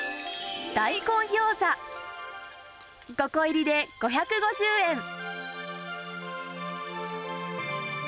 大根餃子、５個入りで５５０円。